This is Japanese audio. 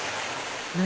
何？